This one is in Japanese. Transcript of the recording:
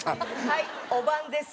はいおばんです。